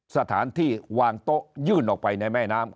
สถานที่วางโต๊ะยื่นออกไปในแม่น้ำ